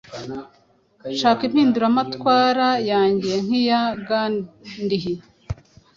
Nshaka impinduramatwara yanjye nk’iya Gandhi